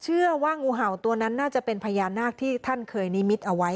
เชื่อว่างูเห่าตัวนั้นน่าจะเป็นพญานาคที่ท่านเคยนิมิตเอาไว้